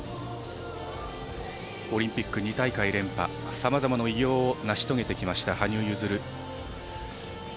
オリンピック２大会連覇さまざまな偉業を成し遂げてきました羽生結弦。